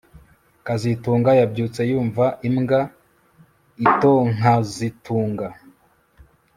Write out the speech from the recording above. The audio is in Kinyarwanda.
kazitunga yabyutse yumva imbwa itonkazitungaa